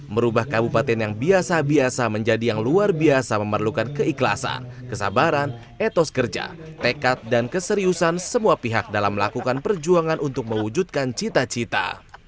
merubah kabupaten yang biasa biasa menjadi yang luar biasa memerlukan keikhlasan kesabaran etos kerja tekad dan keseriusan semua pihak dalam melakukan perjuangan untuk mewujudkan cita cita